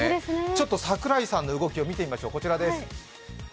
ちょっと櫻井さんの動きを見てみましょう、こちらです。